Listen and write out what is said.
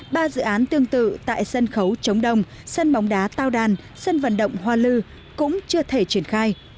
ba dự án tương tự tại sân khấu chống đồng sân bóng đá tao đàn sân vận động hoa lư cũng chưa thể triển khai